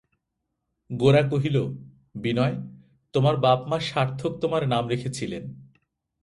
গোরা কহিল, বিনয়, তোমার বাপ-মা সার্থক তোমার নাম রেখেছিলেন।